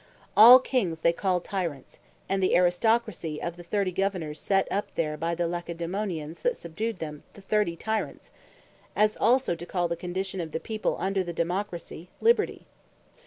All Kings they called Tyrants; and the Aristocracy of the thirty Governours set up there by the Lacedemonians that subdued them, the thirty Tyrants: As also to call the condition of the people under the Democracy, Liberty.